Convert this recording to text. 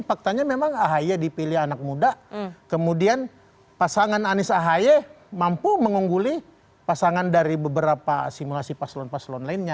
faktanya memang ahy dipilih anak muda kemudian pasangan anies ahaye mampu mengungguli pasangan dari beberapa simulasi paslon paslon lainnya